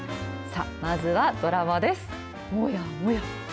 さあ、まずはドラマです。